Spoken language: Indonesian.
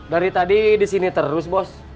dari tadi di sini terus bos